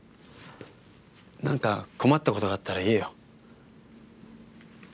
何か困ったことがあったら言えよ。